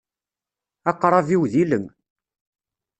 Aqrab-iw d ilem.